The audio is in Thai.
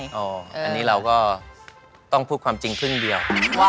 อันนี้เราก็ต้องพูดความจริงครึ่งเดียว